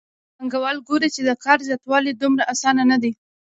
پانګوال ګوري چې د کار زیاتول دومره اسانه نه دي